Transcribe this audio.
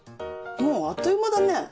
もうあっという間だね。